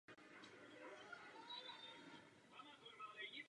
Videoklip byl realizován v Los Angeles.